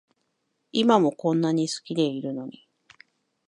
今もこんなに好きでいるのに